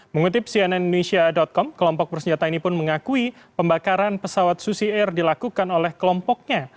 mengutip cnn indonesia com kelompok bersenjata ini pun mengakui pembakaran pesawat susi air dilakukan oleh kelompoknya